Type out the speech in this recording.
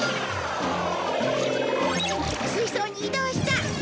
水槽に移動した！